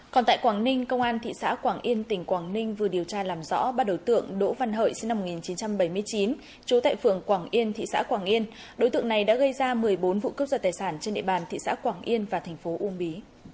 còn tại quảng ninh công an thị xã quảng yên tỉnh quảng ninh vừa điều tra làm rõ ba đối tượng đỗ văn hợi sinh năm một nghìn chín trăm bảy mươi chín trú tại phường quảng yên thị xã quảng yên đối tượng này đã gây ra một mươi bốn vụ cướp giật tài sản trên địa bàn thị xã quảng yên và thành phố uông bí